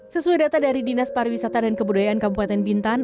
sesuai data dari dinas pariwisata dan kebudayaan kabupaten bintan